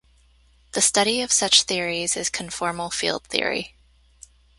The study of such theories is conformal field theory.